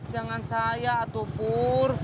jangan saya atukur